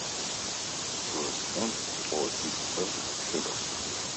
Процент тӏокӏиплӏрэ щырэ .